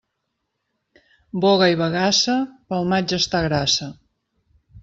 Boga i bagassa, pel maig està grassa.